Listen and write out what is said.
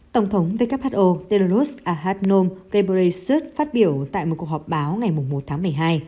tổng thống who tedros adhanom ghebreyesus phát biểu tại một cuộc họp báo ngày một tháng một mươi hai